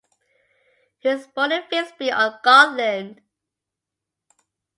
He was born in Visby on Gotland.